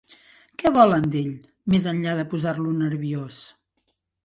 Què volen d'ell, més enllà de posar-lo nerviós?